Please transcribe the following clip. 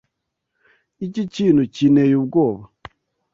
Iki kintu kinteye ubwoba.